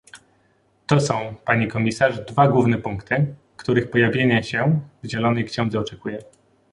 To są, pani komisarz, dwa główne punkty, których pojawienia się w zielonej księdze oczekuję